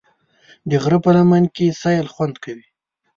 د غره په لمن کې سیل خوند کوي.